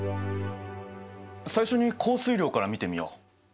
最初に降水量から見てみよう。